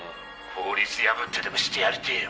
「法律破ってでもしてやりてぇよ！」